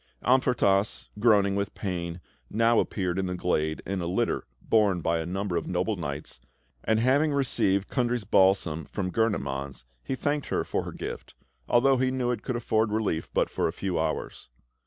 Amfortas, groaning with pain, now appeared in the glade in a litter borne by a number of noble knights, and having received Kundry's balsam from Gurnemanz, he thanked her for her gift, although he knew it could afford relief but for a few hours.